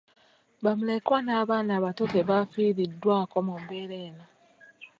Bamulekwa n’abaana abato tebafiiriddwako mu mbeera eno.